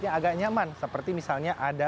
yang agak nyaman seperti misalnya ada